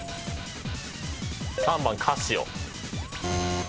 ３番カシオ。